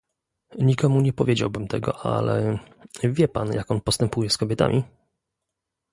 "Nikomu nie powiedziałbym tego, ale... wie pan jak on postępuje z kobietami?..."